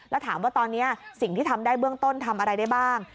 แล้วถามว่าตอนนี้สิ่งที่ทำได้เบื้องต้นทำอะไรได้บ้าง